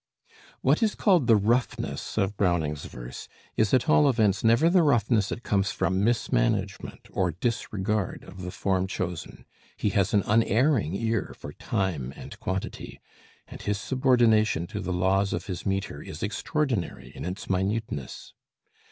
What is called the "roughness" of Browning's verse is at all events never the roughness that comes from mismanagement or disregard of the form chosen. He has an unerring ear for time and quantity; and his subordination to the laws of his metre is extraordinary in its minuteness.